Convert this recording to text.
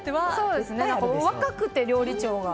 若くてね、料理長が。